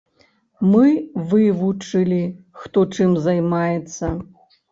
Мы вывучылі, хто чым займаецца.